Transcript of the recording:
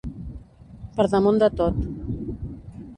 Per damunt de tot.